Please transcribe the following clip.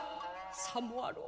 「さもあろう。